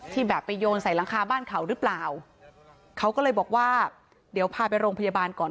แบบไปโยนใส่หลังคาบ้านเขาหรือเปล่าเขาก็เลยบอกว่าเดี๋ยวพาไปโรงพยาบาลก่อน